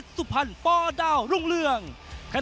นักมวยจอมคำหวังเว่เลยนะครับ